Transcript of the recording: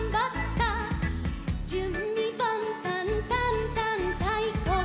「じゅんびばんたんたんたんたいこが」